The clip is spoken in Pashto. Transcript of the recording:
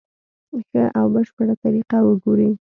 ښه او بشپړه طریقه وګوري.